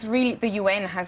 un telah mengucapkan